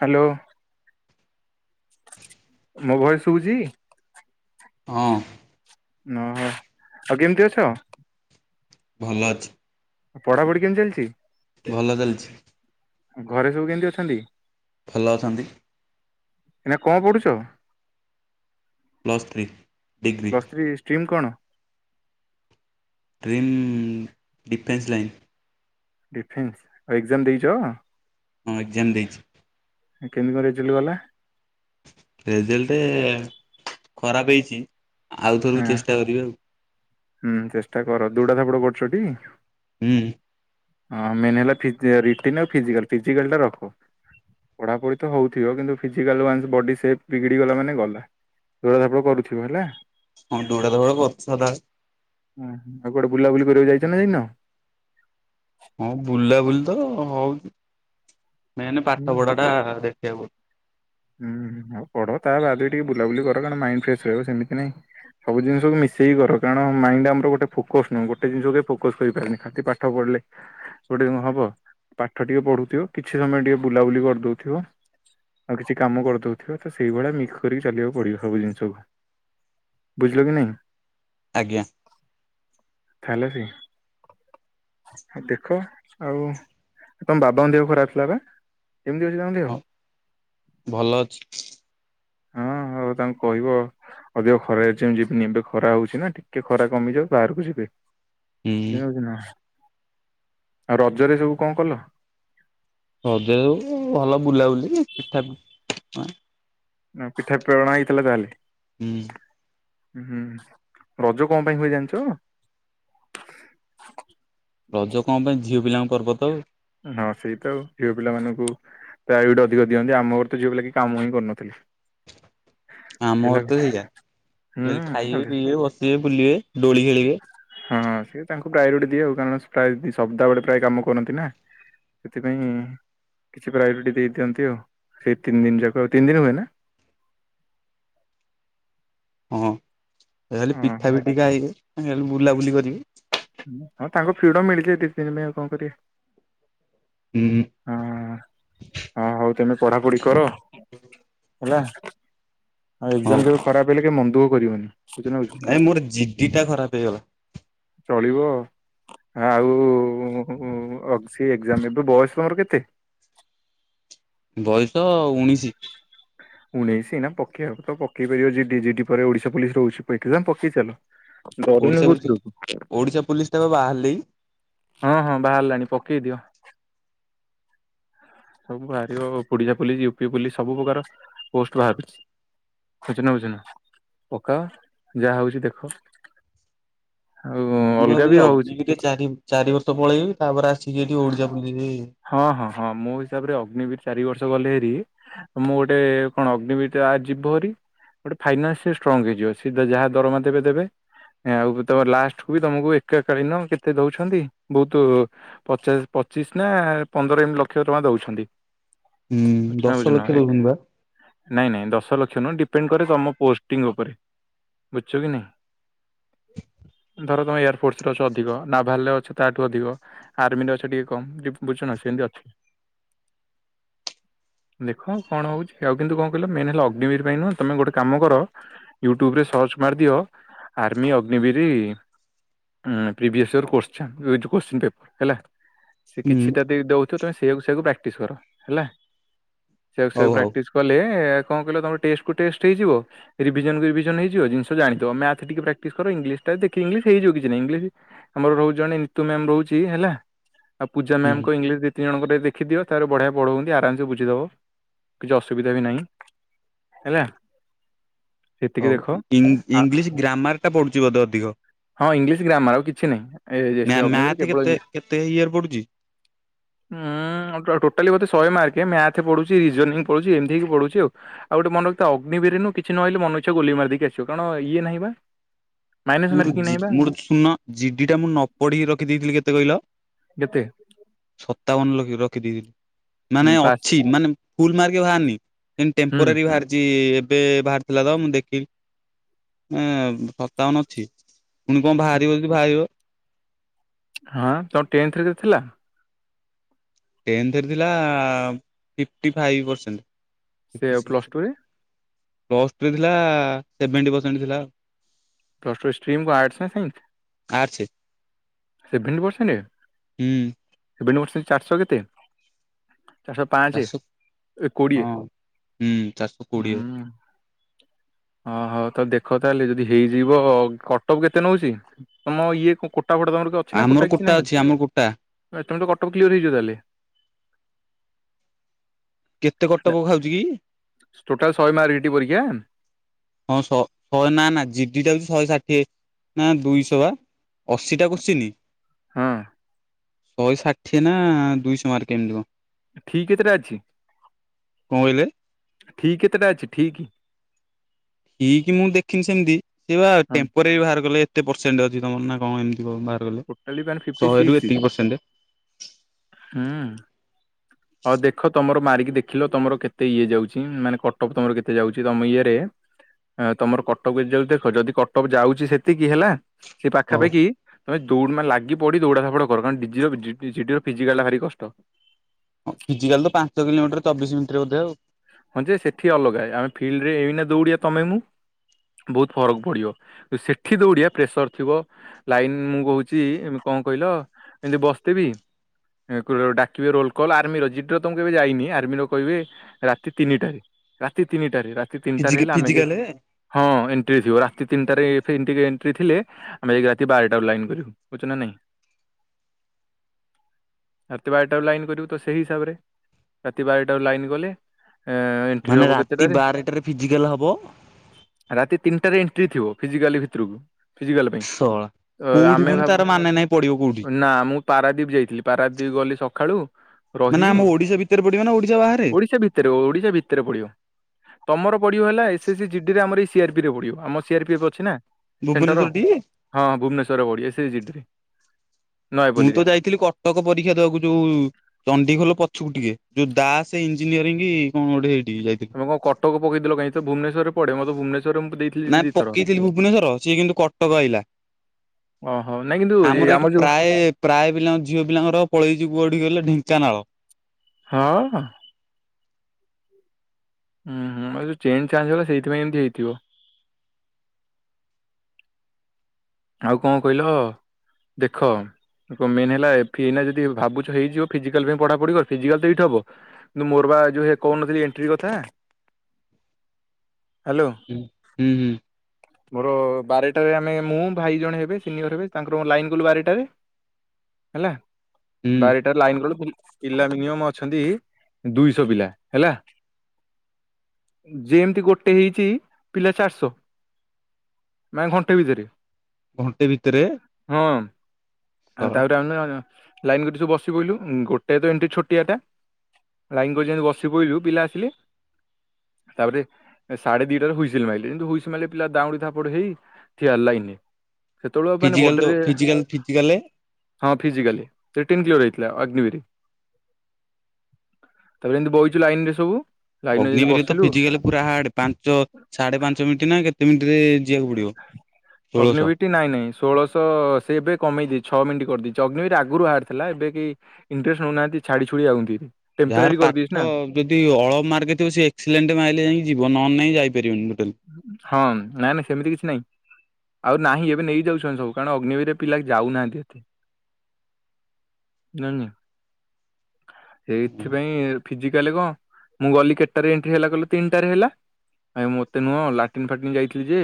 Hello. ମୋ voice ଶୁଭୁଛି। ହଁ। ନହ ଆଉ କେମିତି ଅଛ। ଭଲ ଅଛି। ପଢାପଢି କେମିତି ଚାଲିଛି? ଭଲ ଚାଲିଚି। ଘରେ ସବୁ କେମିତି ଅଛନ୍ତି? ଭଲ ଅଛନ୍ତି। ଏଇନା କଣ ପଢୁଚ? Plus three degree. Plus three stream କଣ? Dream defence line. ଡିଫେନ୍ସ ଆଉ ଏକ୍ଜାମ ଦେଇଚ? ହଁ ଏକ୍ଜାମ ଦେଇଚି। କେମିତି କଣ ରେଜଲ୍ଟ ଗଲା? ରେଜଲ୍ଟେ ଖରାପ ହେଇଚି। ଆଉ ହଁ ଥରକୁ ଚେଷ୍ଟା କରିବି ଆଉ। ହୁଁ ଚେଷ୍ଟା କର ଦୌଡା ଧାପଡ କରୁଚ ଟି? ହୁଁ। ହଁ ମେନ୍ ହେଲା ଫିଜି ରିଟିନ ଆଉ ଫିଜିକାଲି ଫିଜିକାଲ ଟା ରଖ। ପଢାପଢି ତ ହୋଉଥିବ କିନ୍ତୁ ଫିଜିକାଲ ୱାନସ ବଡି ସେପ ବିଗିଡି ଗଲା ମାନେ ଗଲା। ଦୌଡା ଧାପଡ କରୁଥୁବୁ ହେଲା। ହଁ ଦୌଡା ଧାପଡ କରୁଚି ସଦାବେଳେ। ହୁଁ ଆଉ କୁଆଡେ ବୁଲାବୁଲି କରିବାକୁ ଯାଇଚ ନା ଯାଇନ? ହଁ ବୁଲା ବୁଲି ତ ହୋଉଚି ମେନ୍ ହୁଁ ପାଠ ପଢା ଟା ଦେଖିବାକୁ ପଡୁ ହୁଁ ହୋଉ ପଢ ତା ବାଦେ ବି ଟିକେ ବୁଲାବୁଲି କର କାରଣ ମାଇଣ୍ଡ ଫ୍ରେଶ ରହିବ ସେମିତି ନାଇଁ। ସବୁ ଜିନିଷକୁ ମିଶେଇି କର କାରଣ ମାଇଣ୍ଡ ଆମର ଗୋଟେ ଫୋକସ୍ ନୁହୁଁ ଗୋଟେ ଜିନିଷ କେବେ ଫୋକସ୍ କହିପାରେନି ଖାଲି ପା ଠ ପଢିଲେ ଗୋଟେ ଦିନ ହବ ପାଠ ଟିକେ ପଢୁଥିବ। କିଛି ସମୟ ଟିକେ ବୁଲାବୁଲି କରିଦୋଉଥିବ। ଆଉ କିଛି କାମ କରିଦୋଉଥିବ ତ ସେଇଭଳିଆ ମିକ୍ସ କରିକି ଚାଲିବାକୁ ପଡିବ ସବୁ ଜିନିଷକୁ। ବୁଝିଲ କି ନାଇଁ? ଆଜ୍ଞା। [unintelligible] ଦେଖ ଆଉ ତମ ବାବାଙ୍କ ଦେହ ଖରାପ ଥିଲା ପା କେମିତି ଅଛି ତଙ୍କ ଦେହ? ହଁ। ଭଲ ଅଛି। ହୋଉ ତାଙ୍କୁ କହିବ ଅଧିକ ଖରାରେ ଯେମିତି ଯିବିନି ଏବେ ଖରା ହୋଉଚି ନା ଟିକେ ଖରା କମିଯାଉ ବାହାରକୁ ଯିବେ। [unintelligible] ହୁଁ ହୋଉଚି ନା ଆଉ ରଜରେ ସବୁ କଣ କଲ? ରଜରେ ସବ ଭଲ ବୁଲାବୁଲି ପିଠା [unintelligible] ନା ପିଠା ପ୍ରେରଣା ହେଇଥିଲା ତାହେଲେ। ହୁଁ। ହୁଁ ରଜ କଣ ପାଇଁ ହୁଏ ଜାଣିଚ? ରଜ କଣ ପାଇଁ ଝିଅ ପିଲାଙ୍କ ପର୍ବ ତ। ହଁ ସେଇତ ଆଉ ଝିଅ ପିଲାମାନଙ୍କୁ ତ ପ୍ରାୟୋରିଟି ଅଧିକ ଦିଅନ୍ତି। ଆମ ଘର ତ ଝିଅ ପିଲା କେହି କାମ ହିଁ କରୁନଥିଲେ। ସେଇ ହେଲା ଆମର ଘରେ ତ କଥା ସେଇଆ ଖାଲି ଖାଇବେ ହୁଁ ପିଇବେ ବସିବେ ବୁଲିବେ ଦୋଳି ଖେଳିବେ। ହଁ ସେ ତାଙ୍କୁ ପ୍ରାୟୋରିଟି ଦିଏ ଆଉ କାରଣ ପ୍ରାୟ ସଦା ବେଳେ ପ୍ରାୟ କାମ କରନ୍ତି ନା। ସେଥିପାଇଁ କିଛି ପ୍ରାୟୋରିଟି ଦେଇଦିଅନ୍ତି ଆଉ ସେଇ ତିନି ଦିନ ଯାକ ଆଉ। ତିନି ଦିନ ହୁଏ ନା? ହଁ ହେରା ଖାଲି ହଁ ପିଠା ହଁ। ପିଠି ଖାଇବେ [unintelligible] ବୁଲାବୁଲି କରିବେ। ହଁ ତାଙ୍କୁ ଫ୍ରିଡମ ମିଳିଚି ଏ ଦିଇ ତିନ ଦିନ ପାଇଁ କଣ କରିବେ। ହୁଁ। ହଁ ହଁ ହୋଉ ତାହେଲେ ପଢାପଢି କର। ହେଲା ଆଉ ଏକ୍ଜାମ ଯେବେ ଖରାପ ହେଲେ କେବେ ମନ ଦୁଃଖ କରିବନି। ବୁଝୁଛ ନା ବୁଝୁନ ନାଁଇ ମୋର ଜିଡିଟା ଖରାପ ହେଇଗଲା। ଚଳିବ। ଆଉ ଅକ୍ଛି ଏକ୍ଜାମ ଏବେ। ଏବେ ବୟସ ତମର କେତେ? ବୟସ ଉଣିଶି। ଉଣେଇଶି ନା ପକେଇବାକୁ ତ ପକେଇ ପାରିବ ଜିଡି ପରେ ଓଡିଶା ପୋଲିସ ରହୁଛି ପେଇ ପକେଇ ଚାଲ ରିନି କୁଥିରୁୁ ଓଡ଼ିଶା ପୋଲିସ। େବେ ବାହାରିଲି। ହଁ ହଁ ବାହାରିଲାଣି ପକେଇ ଦିଅ। ସବୁ ବାହାରିବ ଓଡିଶା ପୁଲିସ ୟୁପି ପୁୋଲିସ ସବୁ ପ୍ରକାର ପୋଷ୍ଟ ବାହାରୁଛି। ଖୁଛ ନା ଖୁଛ ନା ପକାଅ ଯାହା ହଉଛି ଦେଖ। ଆଉ ମୁଁ ଅଲଗା ଭାବୁଛି ବି ରହୁଛି ଅଗି ଟିକେ ଚି ଚାରି ବର୍ଷ ପଳେଇବି ତାପରେ ଆସିକି ଏଠିକେ ଓଡିଶା ବୁେଇ ହଁ ହଁ ହଁ ମୋ ହିସାବରେ ଅଗ୍ନିବିର ଚାରି ବର୍ଷ ଗଲେ ହେରି ମୁଁ ଗୋଟେ କଣ ଅଗ୍ନିବର ଯୀବ ହରି ଗୋଟେ ଫାଇନାନ୍ସି ଷ୍ଟ୍ରଙ୍ଗ ହେଇଯିବ ସି ଯାହା ଦରମା ଦେବେ ଦେବେ। ଆଉ ତମ ଲାଷ୍ଟକୁୁ ବି ତମକୁ ଏକ କଳୀନ କେତେ ଦଉଛନ୍ତି ବହୁତ। ପଚାଶ ପଚିଶ ନା ପନ୍ଦର ଲକ୍ଷ ଟଙ୍କା ଦଉଛନ୍ତି। ବ ଦଶ ବୁଝୁ ଲକ୍ଷ ଦଉଛନ୍ତି ବା ନାଇଁ ନାଇଁ ଦଶ ଲକ୍ଷ ନୁହଁ ଡିପେଣ୍ଡ କରେ ତମ ପୋସ୍ତିଂ ଉପରେ। ବୁଝଛୁ କି ନାହି। ଧର ତୁମେ ଏୟାରଫୋର୍ସରେ ଅଛ ଅଧିକ ନାଭାଲରେ ଅଛ ତାଠୁ ଅଧିକ। ଆର୍ମିରେ ଅଛ ଟିକେ କମ ବୁଝୁ ନ ସେ ଏମିତି ଅଛି। ଦେଖ କଣ ହଉଛି ଆଉ କିନ୍ତୁ କଣ କହିଲ ମେନ୍ ହେଲା ଅଗ୍ନିବିର ପାଇଁ ନୁହଁ ତମେ ଗୋଟେ କାମ କର। ୟୁଟ୍ୟୁବ୍ରରେ ସର୍ଚ୍ଚ ମାରିଦିଅ ଆର୍ମି ଅଗ୍ନିବିରି ଁ ପ୍ରିଭିୟସ୍ ୟର୍ କରଶଚ୍ଚଛ ଏଇଛି କୋଶ୍ଚନ୍ ପେପର୍ ହେଲା। ସେ ହୁଁ କିଛିଟା ଦେଇ ଦେଉଥ ତୁମେ ସେଇଆକୁ ସେଇଆକୁ ପ୍ରାକ୍ଟିସ କର ହେଲା ସେଇଆକୁ ସେକୁ ହଉ ହଉ ପ୍ରାକ୍ଟିସ୍ କର। କଲେ କଣ କହିଲେ ତୁମର ଟେଷ୍ଟକୁ ଟେଷ୍ଟ ହେଇଯିବ। ରିଭିଜନ ରିଭିଜନଇଯ ଜିନିଷ ଜାଥିବ ମଥ ଟିକେ ପ୍ରାକ୍ଟିସ କର ଇଂଲିଶ ଟା ଦେଖ ଇଂଲିଶ ହେଇଯିବ କିଛି ନା ଂଲି ଆମର ରହୁ ଜଣେ ନିତୁ ମ୍ୟାାମ ରହୁଛି ହେଲା ଆଉ ପୂଜା ହୁଁ ମ୍ୟା କ ଇଂଶ? ତିନି ଜଣଙ୍କରିକ ଦେଖିଦିଅ ତାର ବଢ଼ିଆବା ପଢ଼ଉ ଆରାମସ ବୁଝିଦବ କିଛି ଅସୁବିଧା ବି ନାହିଁ। ହେଲା। ସେତିକି ହଉ ଦେଖ ଆ ଇଂଲିଶ ଗ୍ରାମାର ଟା ପଡୁଛି ବୋଧେ ଅଧିକ। ହଁ ଇଂଲିଶ ଗ୍ରାମର ଆଉ କିଛି ନହିଁ ମ୍ୟା ଏ ଅଗ୍ନିବର ମ୍ୟାଥ କେବଳ କେତେ ଇଂ କେତେ ଇଏରେ ପଡୁଛି ଉୁଁ ଟୋଟାଲି ମତେ ଶହେ ମାର୍କ ମଥ ପଢୁଛି ରିଜନି ପଢୁଛି ଏମିତି ହେକି ପଢୁଛି ଆଉ। ଆଉ ଗୋଟେ ମନ ରଖ ଅଗ୍ନିରୁୁ କିଛି ନହଲେ ମନୁଇଛ ଗୁ ମାରି ଦେଇି ଆସ କଣ ଏ ନାହିଁ ବା। ମାଇନସ ମ ମୋର ମୋର ଶୁନ ଜିଡି ଟା ମୁଁ ନ ପଢିକି ରଖିଦେଇଥିଲି କେତେ କହିଲ। କେତେ ସତାବନ ଲଖି ରଖିଦେଇଥିଲି। ମାନେ ପାସ୍ ଅଛି ମାନେ ଫୁଲ ମାର୍କ ବାହାରନି ସେ ହୁଁ ଟେମ୍ପୋରାରୀ ବାହାରିଛି। ଏବେ ବାହାରିଥିଲା ତ ମୁଁ ଦେଖିଲି ଏ ସପ୍ତାବନ ଅଛି। ପୁଣି କଣ ବାହାରିବ ଯଦି ବାହାରିବ। ହଁ ତମ ଟେନ୍ଥରେ ଥିଲା? ଟେନ୍ଥରେ ଥିଲା ଫିଫ୍ଟି ଫାଇଭ୍ ପରସେଣ୍ଟ୍। ସେ ପ୍ଲସ ଟୁରେ? ଥିଲା। ଦଷ୍ଟଟର ସ୍ଷ୍ଟ୍ର୍ରୀମ କ ଆର୍ଟସ ସାଇ? ଆଛି। େ ହୁଁ ପରେଟାରହ କେତେ? ଚାରିଶହ ପାଞ୍ଚ ଚାରିଶହ ଏ କୋଡିଏ ହଁ ହୁଁ ଚାରିଶହ ହୁଁ କୋଡିଏ ଓଁହୋ ତ ଦେଖ ତାହେଲେ ଯଦି ହେଇଯିବ କଟକ କେତେ ନଉଛି। ତମ ଇଏ କୋଟା ଫଡା ତମର ଅଛି ନା ଆମର କୋଟା କିଛି ନାହିଁ ଅଛି ଆମର କୋଟା ତମେ ତ କଟୋୁ କ୍ଲିୟର ହେଇଯ ତାହେଲେ। କେତେ କଟ ପୋକ ଖାଉଛି କି ଟୋଟାଲ ଶହେ ମାାରିଇଟି ପରୀକ୍ଷା। ହଁ ଶହ ଶହେ ନା ନା ଜିଡି ଟା ହଉଛି ଶହେ ଷାଠିଏ ନା ଦୁଇଶହ ବା ଅଶୀଟା କରସିନି ହଁ ଶହେ ଷାଠିଏ ନା ଦୁଇଶହ ମାର୍କ ଏମିତିିବ। ଖି କେତେଟା ଅଛି? କଣ କହିଲେ? ଠିକ୍ କେତେଟା ଛି ଠିକି। ଏଇକି କି ମୁଁ ଦେଖିନି ସେମିତି ସେ ବା ହଁ ଟେମ୍ପୋରାରୀ ବାହାର କଲେ ଏତେ ପରସେଣ୍ଟ ଅଛି ତମର ନା କଣ ଏମତି? ତୁ ମାରୁନୁ ଟୋଟାଲି ମାନେ ଫିଫ୍ଟି ଶହେରୁୁ ସିକ୍ସ ଏତିକି ପରସେଣ୍ଟ। ହୁଁ। ହଉ ଦେଖ ତମର ମାରିକି ଦେଖିଲ ତମର କେତେ ଇଏ ଯାଉଛି ମାନେ କଟଅପ୍ ତମର କେତେ ଯାଉଛି ତମ ଇଏରେ? ତମର କଟଅପ୍ ଯାଉଛି କେମତି ଦେଖ ଯଦି କଟଅପ୍ ଯାଉଛି ସେତିକି ହେଲା ସେ ହଉ ପାଖାପାଖି ତମେ ଲାଗି ପଡି ଦୌଡାଧାପଡ୍ କର ଡି ଜିର ଫିଜିକାଲ ଭାରି କଷ୍ଟ। ହ ଫିଜିକାଲ ତ ପାଞ୍ଚ କିଲୋମିଟର ଚବିଶ ମିନିଟରେ ବଧେ ଆଉ ହଁ ଯେ ସେଠି ଅଲଗା ଆମେ ଫିଲ୍ଡରେ ଏଇନା ଦୌଉଡିଆ ତମେ ମୁଁ ବହୁତ ଫରକ ପଡ଼ିବ ସେଠି ଦୌଡ଼ିଆ ପ୍ରେସର ଥିବ। ଲାଇନ ମୁଁ କହୁଛି କଣ କହିଲ ଏମିତି ବସଥିବି ଡାକିବେ ରୋଲକଲ ଆର୍ମି ର ଜିଡିର ତ ମୁଁ କେବେ ଯାଇନି ଆର୍ମିର କହିବେ ରାତି ତିନିଟାରେ ରାତି ତିନିଟାରେ ରାତି ତିନିଟାରେ ଫିଜିକା ହେଲେ ଆମେ ଯାଇ ଫିଜିକାଲେ ହଁ ଏଣ୍ଟ୍ରି ଥିବ ରାତି ତିନଟାରେ [inaudible] ଏଣ୍ଟ୍ରି ଥିଲେ। ଆମେ ଯାଇକି ରାତି ବାରଟାରୁ ଲାଇନ କରିବୁ ବୁଝୁଛ ନା ନାଇଁ। ରାତି ବାରଟାରୁ ଲାଇନ୍ କରିବୁ ତ ସେହି ହିସାବରେ ରାତି ବାରଟାରୁ ଲାଇନ୍ ଗଲେ ଏଁ। ମାନେ ରାତି ବାରଟାରେ ଫିଜିକାଲ ହବ? ରାତି ତିନଟାରେ ଏଣ୍ଟ୍ରି ଥିବ ଫିଜିକାଲ ଭିତରକୁ ଫିଜିକାଲ ପାଇଁ। ଶଳା। ଅ କୋଉଠି ଆମେ ପୁଣି ତାର ଭାବୁ ମାନେ ନାହିଁ ପଡିବ କୋଉଠି ନା ମୁଁ ପାରାଦୀପ ଯାଇଥିଲି ପାରାଦୀପ ଗଲି ସଖାଳୁ ମାନେ ଆମ ଓଡିଶା ଭିତରେ ପଡିବ ନା ଓଡିଶା ବାହାରେ। ଓଡିଶା ଭିତରେ ଓଡିଶା ଭିତରେ ପଡିବ। ତମର ପଡିବ ହେଲା ଏସ୍ ସି ଜିଡିରେ ଆମର ଏଇ ସିଆରପିରେ ପଡିବ ଆମ ସିଆର୍ପି ଅଛି ନା। ସେଣ୍ଟର ଭୁବନେଶ୍ୱର ଟି? ହଁ ଭୁବନେଶ୍ଵରରେ କୋଉଠି ଏସ ଜି ଟିରେ। ମୁଁ ତ ଯାଇଥିଲି କଟକ ପରୀକ୍ଷା ଦବାକୁ ଯୋଉ ଚଣ୍ଡିଖୋଲ ପଛକୁ ଟିକେ ଯୋଉ ଦାସ ଇଂଜିନିୟରିଂ କଣ ଗୋଟେ ସେଇଠିକି ଯାଇଥିଲି। ତମେ କଣ କଟକ ପକେଇଥିଲ କାହିଁ ଭୁବନେଶ୍ୱରରେ ପଡେ ମୋତେ ଭୁବନେଶ୍ୱରେ ମୁଁ ଦେଇ ନା ପକେଇଥିଲି ଭୁବନେଶ୍ଵର ସିଏ କିନ୍ତୁ କଟକ ଆଇଲା। ଓହୋ ନାଇଁ କିନ୍ତୁ ଏ ଆମର ଏଇଠି ଯୋଉ ପ୍ରାୟ ପ୍ରାୟ ପିଲାଙ୍କ ଝିଅ ପିଲାଙ୍କର ପଳେଇଛି କୋଉଠିକି କି କହିଲ ଢେଙ୍କାନାଳ। ହଁ ଅ। ହୁଁ ଯୋଉ ଚେଞ୍ଜ ଚାଞ୍ଜ ହେଇଗଲା ସେଇଥିପାଇଁ ଏମିତି ହେଇଥିବ। ଆଉ କଣ କହିଲ ଦେଖ? ମେନ୍ ହେଲା ଫିନା ଯଦି ଭାବୁଛ ହେଇଯିବ ଫିଜିକାଲ ପାଇଁ ପଢାପଢି କର ଫିଜିକାଲ ତ ଏଇଠି ହବ। କିନ୍ତୁ ମୋରବା ଯୋଉ କହୁନଥିଲି ଏଣ୍ଟ୍ରି କଥା ହାଲୋ। ହୁଁ ହୁଁ ହୁଁ। ମୋର ବାରଟାରେ ଆମେ ମୁଁ ଭାଇ ଜଣେ ହେବେ ସିନିୟର୍ ହେବେ ତାଙ୍କର ମୋର ଲାଇନ୍ କଲୁ ବାରଟାରେ ହେଲା ହୁଁ ବାରେ ଲାଇନ୍ ପିଲା ମିନିମମ ଅଛନ୍ତି ଦୁଇଶହ ପିଲା ହେଲା। ଯେମତି ଗୋଟେ ହେଇଛି ପିଲା ଚାରିଶହ। ମାନେ ଘଣ୍ଟେ ଭିତରେ। ଘଣ୍ଟେ ଭିତରେ? ହଁ ଆଉ ଶଳା ତାପରେ ଆମେ ଲାଇନ କରି ସବୁ ବସି ପଇଲୁ ଗୋଟେ ତ ଏଣ୍ଟି ଛୋଟିଆଟା। ଲାଇନ୍ କରି ଯାଇ ବସି ପଡ଼ିଲୁ ପିଲା ଆସିଲେ। ତାପରେ ସାଢେ ଦିଟାରେ ହୁଇସିଲ ମାଇଲେ କିନ୍ତୁ ହୁଇସିଲ୍ ମାଇଲେ ପିଲା ଦାଉଁଡି ଧାପଡ ହେଇ ଠିଆ ହେଲେ ଲାଇନରେ ସେତେବେଳେ ମାନେ ବଡିରେ କେମତି ଫିଜିକାଲରେ ହଁ ଫିଜିକାଲରେ ରିଟିନ୍ କ୍ଲିୟର ହେଇଥିଲା ଅଗ୍ନିବୀରେ। ତାପରେ ଏମିତି ବଇଚୁ ଲାଇନ୍ ରେ ସବୁ। ଲାଇନ ଯେମିତି ଅଗ୍ନିବିର୍ ରେ ବସିଲୁ ଫିଜିକାଲ୍ ପୁରା ହାର୍ଡ, ପାଞ୍ଚ ସାଢେ ପାଞ୍ଚ ମିଣ୍ଟି ନା କେତେ ମିଣ୍ଟି ରେ ଯିବାକୁ ପଡିବ ଷୋଳଶହ। ଅଗ୍ନିିବିର୍। ଟି ନାଇଁ ନାଇଁ ଷୋଳଶହ ସେ ଏବେ କମେଇ ଦେଇଛି ଛଅ ମିନିଟ୍ କରିଦେଇଛି ଅଗ୍ନି ବିରେ ଆଗରୁ ବାହାରି ଥିଲା ଏବେ କି ଇଣ୍ଟ୍ରେଷ୍ଟ ହେଉନାହାନ୍ତି ଛାଡି ଛୁଡି ଯାଉଛନ୍ତି ଯାହାର ଟେମ୍ପରାରୀ କରିଦେଇ ପାଠ ଛୁନା। ଯଦି ଅଳପ୍ ମାର୍ଗ ଥିବ ସେ ଏକ୍ସିସ୍ଲେଣ୍ଟ ମାଇଲେ ଯା ପଇଁକି ଯିବ। ନହେଲେ ନାଇଁ ଯାଇଁ ପାରିବନି ଟୋଟାଲ୍। ହଁ ନାଇଁ ନାଇଁ ସେମିତି କିଛି ନାଇଁ। ଆଉ ନାହିଁ ଏବେ ନେଇଯାଉଛନ୍ତି ସବୁ। କାରଣ ଅଗ୍ନିବିର୍ ରେ ପିଲା ଯାଉହାନ୍ତି ଏତେ। ନୁ ନେ ଏଇଥିପାଇଁ ଫିଜିକାଲେ କଣ? ମୁଁ ଗଲି କେଟ୍ ଟାରେ ଏଣ୍ଟ୍ରି ହେଲା କହିଲୁ? ତିନିଟାରେ ହେଲା ଆ ମୁଁ ଟି ନୁହଁ ଲାଟିନ୍ ଫାଟିନ୍ ଯାଇଥିଲି ଯେ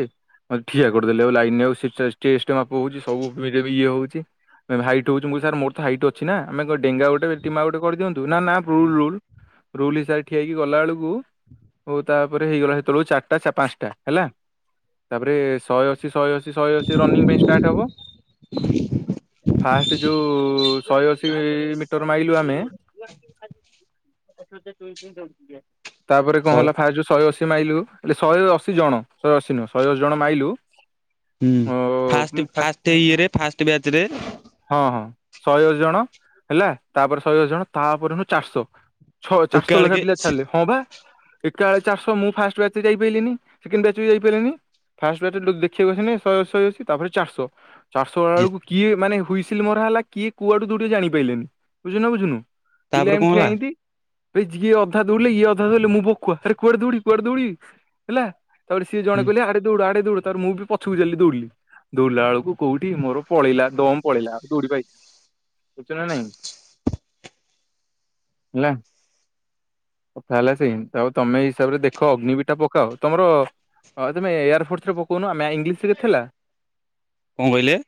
ମତେ ଠିଆ କରିଦେଲେ ଆଉ ଲାଇନ୍ ରେ ସେ ଚେଷ୍ଟ ମାପ ହଉଛି ସବୁ ପି ଏ ହଉଛି। ହାଇଟ୍ ହୋଉଛି ମୋର ସାର୍ ମୋର ତ ହାଇଟ୍ ଅଛି ନା ଆମେ କଣ ଡେଙ୍ଗା ଗୋଟେ ଟିମା ଗୋଟେ କରିଦିଅନ୍ତୁ। ନା ନା ଭୁଲ୍। ରୁଲ୍ ହିସାବରେ ଠିଆ ହେଇକି ଗଲା ବେଳକୁ, ହଉ ତାପରେ ହେଇଗଲା ସେତେବେଳକୁ ଚା ଟା ପାଞ୍ଚଟା ହେଲା। ତାପରେ ଶହେ ଅଶୀ, ଶହେ ଅଶୀ, ଶହେ ଅଶୀ, ରନିଂ ପାଇଁ ଷ୍ଟାର୍ଟ ହବ ଫାଷ୍ଟ ଯୋଉ ଶହେ ଅଶୀ ମିଟର ମାଇଲୁ ଆମେ ତାପରେ କଣ ଶହେ ହେଲା ଫାଷ୍ଟ ଶହେ ଅଶୀ ମାଇଲୁ ହେଲେ ଶହେ ଅଶୀ ଜଣ ଶହେ ଅଶୀ ନୁହଁ ଶହେ ଅଶୀ ଜଣ ମାଇଲୁ ହୁଁ ଓ ଫାଷ୍ଟ୍, ଫାଷ୍ଟ୍ ଫାଷ୍ଟ ଇଏରେ, ଫାଷ୍ଟ୍ ବ୍ୟାଚ୍ ରେ ହଁ ହଁ। ଶହେ ଅସି ଜଣ, ହେଲା ତାପରେ ଶହେ ଅସି ଜଣ, ତାପରେ ନୁ ଚାରିଶହ ଛ ଏକା ଚାରିଶହ ଲେଖାଏ ବେଳକେ ପିଲା ଛାଡିଲେ। ହଁ ବା ଏକାଳେ ଚାରିଶହ, ମୁଁ ଫାଷ୍ଟ୍ ବ୍ୟାଚ୍ ଏତେ ଯାଇପାରିଲେନି, ସେକେଣ୍ଡ ବ୍ୟାଚ୍ ବି ଯାଇ ପାରିଲାନି। ଫାଷ୍ଟ୍ ବ୍ୟାଚ୍ ଯେତେ ବେଳେ ଦେଖିବାକୁ ଆସିଛନ୍ତି, ଶହେ ଅସି, ଶହେ ଅସି, ତାପରେ ଚାରିଶହ ଚାରିଶହ ଯେ ବେଳକୁ କିଏ ମାନେ ହୁଇସିଲ୍ ମରା ହେଲା, କିଏ କୁଆଡୁ ଦୌଡିବେ ଜାଣି ପାଇଲେନି ବୁଝୁଚୁନା ବୁଝୁନୁ ପିଲା ତାପରେ କଣ ଏମିତି ହେଲା ଠିଆଇନ୍ତି, ଭାଇ ଯିଏ ଅଧା ଦୌଡିଲେ ଇଏ ଅଧା ଦୌଡିଲେ, ମୁଁ ଭକୁଆ ଆରେ କୁଆଡେ ଦୌଡିବି କୁଆଡେ ଦୌଡିିବି ହେଲା ତାପରେ ସିଏ ଜଣେ ହୁଁ କହିଲେ, ଆଡେ ଦୌଡୁ ଆଡେ ଦୌଡୁ ତାର ମୁଁ ବି ପଛକୁ ଚାଲିଲିି ଦୌଡିଲି। ଦୌଡିଲା ବେଳକୁ କୋଉଠି ମୋର ପଳେଇଲା ଦମ୍ ପଳେଇଲା, ଆଉ ଦୌଡି ସୂଚନା ନହିଁ। ହେଲା। କଥା ହେଲା ସେମି ଆଉ ତମେ ହିସାବରେ ଦେଖ ଅଗ୍ନିବି ଏଟା ପକାଅ। ତମର ତମେ ଏୟାର ଫୋର୍ସ ରେ ପକଉନ। ଆମେ ଇଂଲିଶ ରେ ଥିଲା? କଣ କହିଲେ?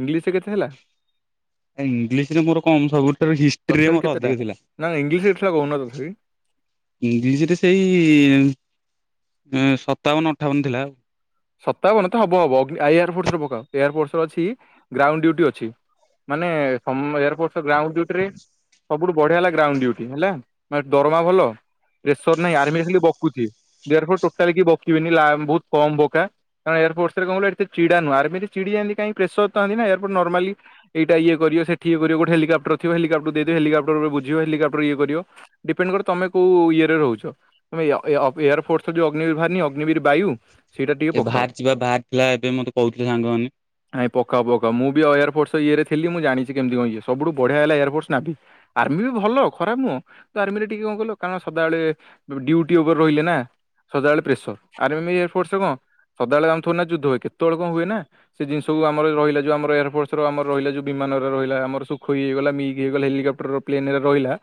ଇଂଲିସିରେ କେତେ ଥିଲା? ଇଂଲିଶ ରେ ମୋର କମ୍, ସବୁଠାରୁ ହିଷ୍ଟ୍ରିରେ ମୋର ଅଧିକ ଥିଲା। ନାଇଁ ଇଂଲିସ୍ ରେ କହୁନ ତଥାବି। ଇଂଲିଶ୍ ରେ ସେଇ ସତାବନ ଅଠାବନ ଥିଲା ଆଉ। ସତାବନ ତ ହବ ହବ। ଅଗ୍ନି-ଏୟାର ଫୋର୍ସ ରେ ପକାଅ। ଏୟାର ଫୋର୍ସ ରେ ଅଛି ଗ୍ରାଉଣ୍ଡ ଡ୍ୟୁଟି ଅଛି। ମାନେ ସମ୍ - ଏୟାର ଫୋର୍ସ ଗ୍ରାଉଣ୍ଡ ଡ୍ୟୁଟି ରେ ସବୁଠୁ ବଢିଆ ହେଲା ଗ୍ରାଉଣ୍ଡ ଡ୍ୟୁଟି ହେଲା ଦରମା ଭଲ। ପ୍ରେସର ନାହିଁ ଆର୍ମି ଖାଲି ବକୁଚି, ଏୟାର୍ ଫୋର୍ସ ଟୋଟାଲ୍ କେହି ବକିବେନି ଲା-ବୋହୁତ୍ କମ୍ ବ ଟା କାରଣ ଏୟାରପୋର୍ରସରେ କଣ କହିଲୁ, ଏତେ ଚିଡା ନୁହଁ। ଆର୍ମିରେ ଚିଡି ଯାଆନ୍ତି, କାହିଁ ପ୍ରେସର ଥାନ୍ତିନା ଏୟାରପୋଟ ନର୍ମାଲି ଏଇଟା ଇଏ କରିବେ ସେଠିବି କରିବେ। କୋଉଠି ହେଲିକପ୍ଟର ଥିବ। ହେଲିକପ୍ଟର କୁ ଦେଇଦବେ, ହେଲିକପ୍ଟର ବୁଝିବ ହେଲିକପ୍ଟର ଇଏ କରିବ। ଡିପେଣ୍ଡ କରେ ତମେ କୋଉ ଇଏରେ ରହୁଛ। ତମେ ୟ, ୟ, ଏୟାର ଫୋର୍ସ ରେ ଯୋଉ ଅଗ୍ନିଭିୟୁ ଅଗ୍ନିବିର ବାୟୁ ସେଇଟା ଟିକେ ଏ ପକାଅ ଭାହାରିଚିବା ଭାହାରିଥିଲା ଏବେ ମତେ କହୁଥିଲେ ସାଙ୍ଗମାନେ। ନାଇଁ ପକା ପକା ମୁ ବି ଏୟାରଫୋର୍ସ ଇଏ ଥିଲ ମୁଁ ଜାଣିଛି କେମିତି କଣ ଇଏ ସବୁଠୁ ବଢିଆ ହେଲା ଏୟାରଫୋର୍ସ ନାଭି। ଆର୍ମି ବି ଭଲ ଖରାପ ନୁହଁ। ତ ଆର୍ମିରେ ଟିକେ କଣ କହିଲ କାରଣ ସଦାବେଳେ ଡିଉଟି ଓଭର ରହିଲେ ନା ସଦାବେଳେ ପ୍ରେସର ଆର୍ମି ଇଏରେ ଫୋର୍ସ ରେ କଣ, ସଦାବେଳେ ଆମେ ଥୋଡି ନା ଯୁଦ୍ଧ ହୁଏ। କେତେବେଳେ କଣ ହୁଏ ନା। ସେ ଜିନିଷକୁ ଆମର ରହିଲା ଯୋଉ ଆମ ଏୟାରଫୋର୍ସ ର ଆମର ରହିଲା ଯଉ ବିମାନ ରହିଲା, ଆମର ସୁଖୋଇ ହୋଇଗଲା, ମିଲ୍କ ହେଇଗଲା, ହେଲିକାପ୍ଟର ର ପ୍ଲେନରେ ରହିଲା।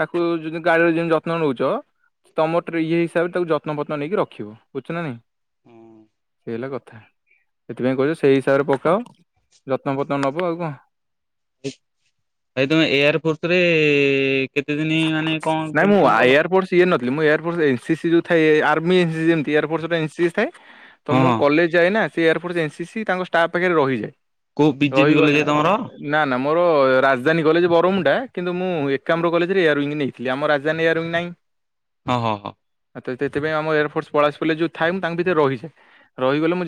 ତାକୁ ଯୁ ଗାଲରେ ଯେମିତି ଯତ୍ନ ନଉଚ। ତମ ଟ୍ରି ଇଏ ହିସାବରେ ତାକୁ ଯତ୍ନଫତ୍ନ ନେଇକି ରଖିବ। ବୁଝୁଚ ନା ନାଇଁ ଏଇ ହେଲା କଥା। ସେଥିପାଇଁ କହିଲି ସେଇ ହିସାବରେ ପକାଅ ଯତ୍ନ ଫତ୍ନ ନବ ଆଉ କଣ? ଭାଇ ତମେ ଏୟାରପୋର୍ଟ ରେ କେତେ ଦିନ ମାନେ କଣ ନାଇଁ ମୁଁ କେମିତି କଣ କଲ ଆୟାର ପୋଟ୍ସ ଇଏନ ନଥିଲି ମୁ ଏୟାର ଫୋର୍ସ ରେ ଏ ସି ସି ଯୋଉ ଥାଏ। ଆର୍ମି ଯେମିତି ଏୟାର ଫୋର୍ସ ରେ ଏନ୍ ସି ଏସ୍ ଥାଏ। ତ ହଁ ମୁଁ ହଁ କଲେଜ ଯାଏ ନା। ସେ ଏୟାରପୋର୍ଟ ଏନ୍ ସି ସି ତାଙ୍କ ଷ୍ଟାଫ୍ ପାଖରେ ରହିଯାଏ। କୋଉ ବିଜେପି ରହିଗଲେ କଲେଜ୍ ତମର? ନା ନା ମୋର ରାଜଧାନୀ କଲେଜ ବରମୁଣ୍ଡା। କିନ୍ତୁ ମୁଁ ଏକାମର କଲେଜ ଏୟାରିଙ୍ଗି ନେଇଥିଲୀ ଆମ ରାଜଧାନୀ ଏୟାରିଙ୍ଗ ନହିଁ। ହଁ ହଁ ହଁ ଆ ତ ସେଥିପାଇଁ ଆମ ଏୟାର ଫୋର୍ସ ପଳାସ ଫିଲେ ଯୋଉ ଥାଏ ମୁଁ ତାଙ୍କ ଭିତରେ ରହିଯାଏ। ରହିଗଲେ ମୁଁ ଯ